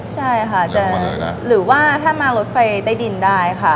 ใช่ค่ะหรือว่าถ้ามารถไฟใต้ดินได้ค่ะ